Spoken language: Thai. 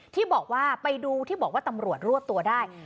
ที่บอกว่าไปดูที่บอกว่าตำรวจรวบตัวได้